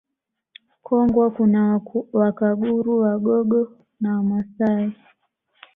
Kongwa kuna Wakaguru Wagogo na Wamasai